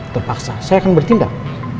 terpaksa saya akan bertindak